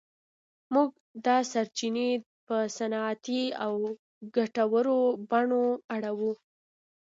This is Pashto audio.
موږ دا سرچینې په صنعتي او ګټورو بڼو اړوو.